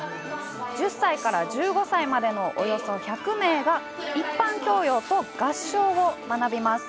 １０歳から１５歳までのおよそ１００名が、一般教養と合唱を学びます。